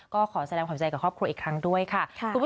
ก็ขอแสดงความใจกับครอบครัวอีกครั้งด้วยค่ะ